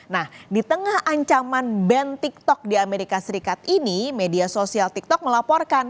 nah di tengah ancaman band tiktok di amerika serikat ini media sosial tiktok melaporkan